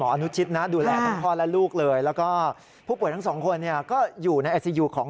ก็เอาทั้งพ่อทั้งลูกมาอยู่ด้วยกันในห้อง